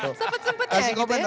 sempet sempet ya gitu ya